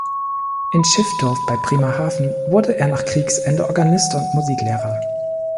In Schiffdorf bei Bremerhaven wurde er nach Kriegsende Organist und Musiklehrer.